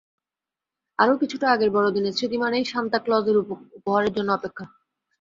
আরও কিছুটা আগের বড়দিনের স্মৃতি মানেই সান্তা ক্লজের উপহারের জন্য অপেক্ষা।